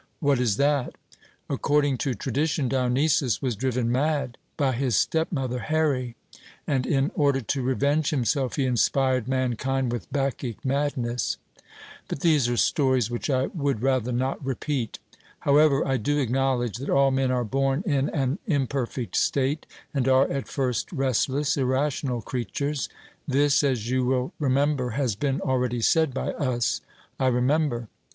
'What is that?' According to tradition Dionysus was driven mad by his stepmother Here, and in order to revenge himself he inspired mankind with Bacchic madness. But these are stories which I would rather not repeat. However I do acknowledge that all men are born in an imperfect state, and are at first restless, irrational creatures: this, as you will remember, has been already said by us. 'I remember.'